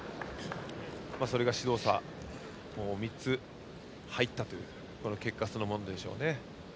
それが指導差、３つ入ったというこの結果そのものでしょうね。